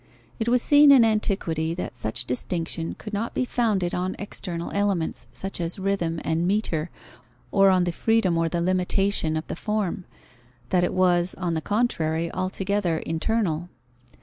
It was seen in antiquity that such distinction could not be founded on external elements, such as rhythm and metre, or on the freedom or the limitation of the form; that it was, on the contrary, altogether internal.